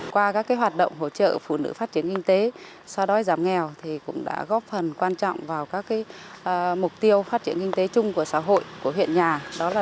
qua các hoạt động hỗ trợ phụ nữ phát triển kinh tế so đói giảm nghèo thì cũng đã góp phần quan trọng vào các mục tiêu phát triển kinh tế chung của xã hội của huyện nhà